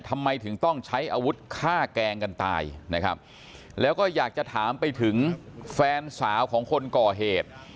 ทำไมถึงต้องใช้อาวุธฆ่าแกล้งกันตายนะครับแล้วก็อยากจะถามไปถึงแฟนสาวของคนก่อเหตุ